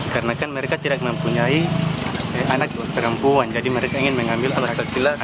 karena mereka tidak mempunyai anak perempuan jadi mereka ingin mengambil anak laki laki